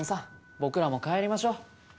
僕らも帰りましょう。